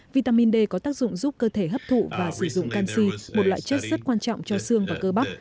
vitamin d có tác dụng giúp cơ thể hấp thụ và sử dụng canxi một loại chất rất quan trọng cho xương và cơ bắp